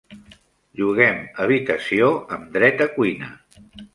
Lloguem habitació amb dret a cuina.